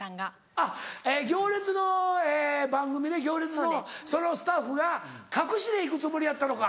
あっ『行列』の番組で『行列』のそのスタッフが隠しで行くつもりやったのか。